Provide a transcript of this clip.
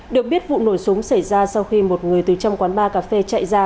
được biết vụ nổ súng xảy ra sau khi một người từ trong quán ba cà phê chạy ra